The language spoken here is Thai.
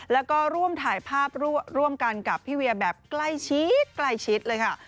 แล้วก็ร่วมถ่ายภาพร่วมกันกับพี่เวียแบบใกล้ชิดใกล้ชิดเลยค่ะ